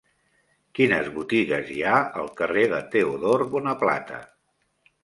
Quines botigues hi ha al carrer de Teodor Bonaplata?